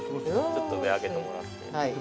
◆ちょっと上、上げてもらって。